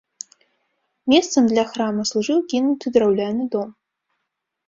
Месцам для храма служыў кінуты драўляны дом.